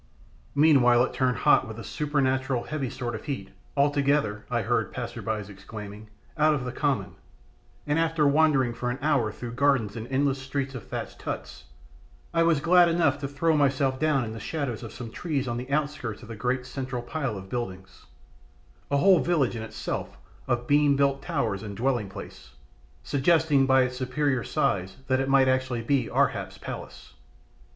Meanwhile it turned hot with a supernatural, heavy sort of heat altogether, I overheard passersby exclaiming, out of the common, and after wandering for an hour through gardens and endless streets of thatched huts, I was glad enough to throw myself down in the shadow of some trees on the outskirts of the great central pile of buildings, a whole village in itself of beam built towers and dwelling place, suggesting by its superior size that it might actually be Ar hap's palace.